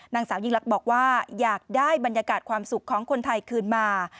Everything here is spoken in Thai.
นางสาวยิ่งลักษณ์บอกว่าอยากได้บรรยากาศความสุขของคนไทยคืนมา